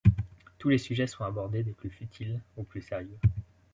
Tous les sujets sont abordés, des plus futiles aux plus sérieux.